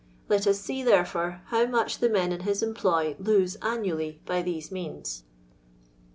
Let us see, therefore, how much the men in his employ lose annually by these means.